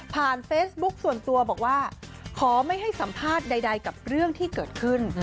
เฟซบุ๊คส่วนตัวบอกว่าขอไม่ให้สัมภาษณ์ใดกับเรื่องที่เกิดขึ้น